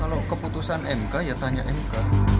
kalau keputusan mk ya tanya mk